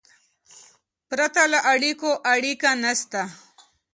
پرته له اړیکو، اړیکه نسته.